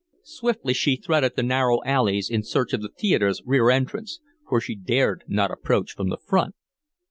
Swiftly she threaded the narrow alleys in search of the theatre's rear entrance, for she dared not approach from the front.